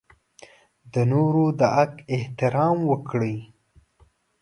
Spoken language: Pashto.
د نورو د حق احترام وکړئ.